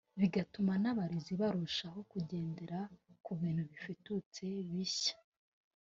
bigatuma n’abarezi barushaho kugendera ku bintu bifututse bishya